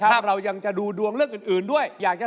เพราะว่ารายการหาคู่ของเราเป็นรายการแรกนะครับ